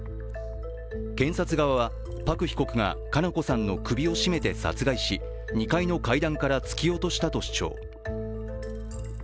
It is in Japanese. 検察側は、パク被告が佳菜子さんの首を絞めて殺害し２階の階段から突き落としたと主張。